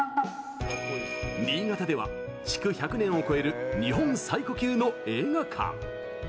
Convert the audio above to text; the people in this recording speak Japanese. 新潟では、築１００年を超える日本最古級の映画館。